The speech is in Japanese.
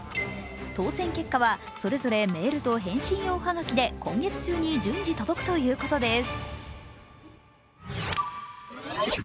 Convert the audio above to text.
当選結果はそれぞれメールと返信用はがきで今月中に順次届くということです。